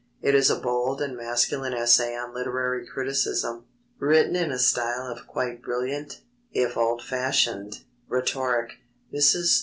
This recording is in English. It is a bold and masculine essay on literary criticism, written in a style of quite brilliant, if old fashioned, rhetoric. Mrs.